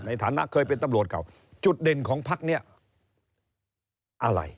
ในฐานะเคยเป็นตำรวจเก่าจุดเด่นของพักเนี่ยอะไร